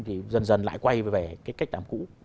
thì dần dần lại quay về cái cách tạm cũ